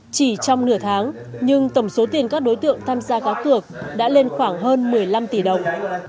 chỉ trong nửa tháng nhưng tổng số tiền các đối tượng tham gia cá cược đã lên khoảng hơn một mươi năm tỷ đồng